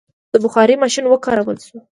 د بخار ماشین وکارول شو.